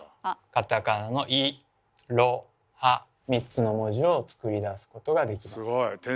カタカナの「イロハ」３つの文字を作り出すことができたんです。